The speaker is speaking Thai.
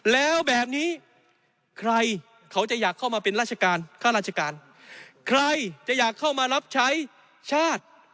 แล้วแบบนี้ใครเขาจะอยากเข้ามาเป็นราชการค่าราชการใครจะอยากเข้ามารับใช้ชาติ